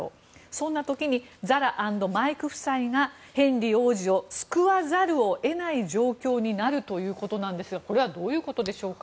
そんな時にザラ＆マイク夫妻がヘンリー王子を救わざるを得ない状況になるということなんですがこれはどういうことでしょうか？